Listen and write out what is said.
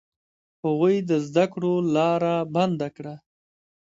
هغوی د زده کړو لاره بنده کړه.